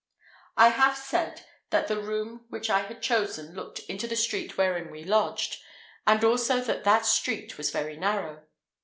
I have said, that the room which I had chosen looked into the street wherein we lodged, and also that that street was very narrow.